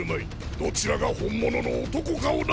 どちらが本物の男かをな！